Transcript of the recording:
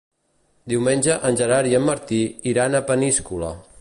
Diumenge en Gerard i en Martí iran a Peníscola.